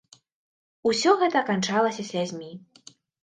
Усё гэта канчалася слязьмі.